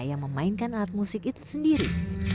yang memainkan alat musik itu sendiri